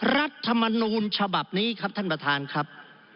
รัฐมนูลฉบับนี้ครับท่านประธานครับ